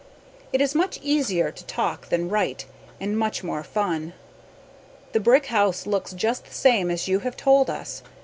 It is much eesier to talk than write and much more fun. The brick house looks just the same as you have told us.